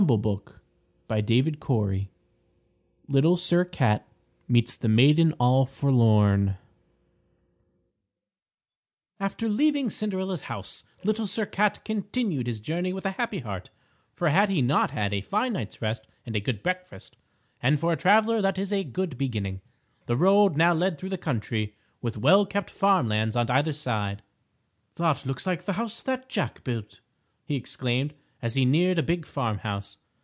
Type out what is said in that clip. LITTLE SIR CAT Little Sir Cat Meets "The Maiden All Forlorn" After leaving Cinderella's house Little Sir Cat continued his journey with a happy heart, for had he not had a fine night's rest and a good breakfast, and for a traveler that is a good beginning. The road now led through the country, with well kept farm lands on either side. "That looks like the House That Jack Built!" he exclaimed, as he neared a big farm house.